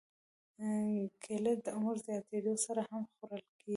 کېله د عمر زیاتېدو سره هم خوړل کېږي.